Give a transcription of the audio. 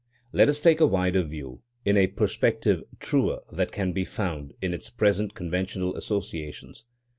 Let us take a wider view, in a perspective truer than can be found in its present conventional associations.